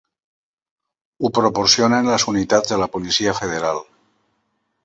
Ho proporcionen les unitats de la Policia Federal.